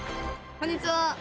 こんにちは。